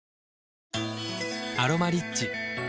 「アロマリッチ」